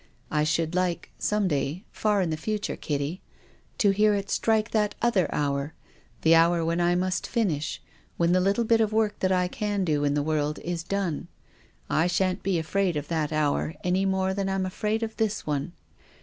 I should like, some day — far in the future, Kitty, — to hear it strike that other hour, the hour when I must finish, when the little bit of work that I can do in the world is done. I shan't be afraid of that hour any more than I'm afraid of this one.